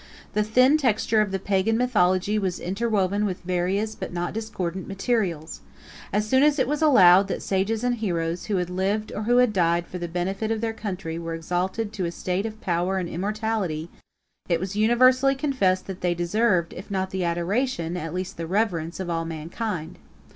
The thin texture of the Pagan mythology was interwoven with various but not discordant materials. As soon as it was allowed that sages and heroes, who had lived or who had died for the benefit of their country, were exalted to a state of power and immortality, it was universally confessed, that they deserved, if not the adoration, at least the reverence, of all mankind.